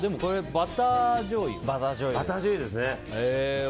バターじょうゆ。